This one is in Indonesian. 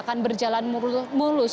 yang juga yang berjalan